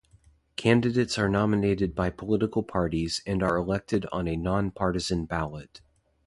Candidates are nominated by political parties and are elected on a nonpartisan ballot.